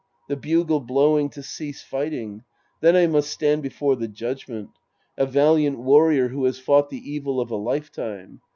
The bugle blowing to cease fighting. Then I must stand before the judgment. A valliant warrior who has fought the evil of a lifetime.